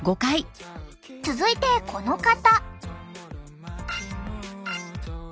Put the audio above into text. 続いてこの方。